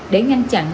để ngăn chặn